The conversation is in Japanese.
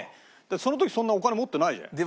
その時そんなお金持ってないじゃない。